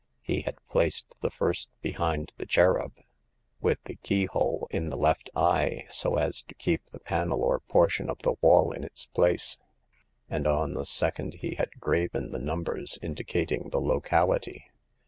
He had placed the first be hind the cherub, with the keyhole in the left eye, so as to keep the panel or portion of the wall in its place ; and on the second he had graven the numbers indicating the locality.